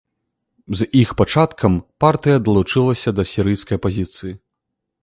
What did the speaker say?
З іх пачаткам партыя далучылася да сірыйскай апазіцыі.